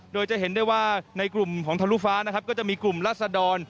โดยจะเห็นได้ว่าในกลุ่มของทะลุฟ้านะครับก็จะมีกลุ่มรัศดร